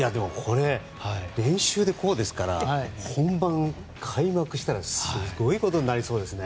練習でこうですから本番、開幕したらすごいことになりそうですよね。